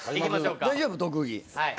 大丈夫？特技。